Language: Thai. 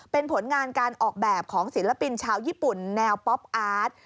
เป็นผลงานการออกแบบของศิลปินชาวญี่ปุ่นแนวป๊อปอาร์ต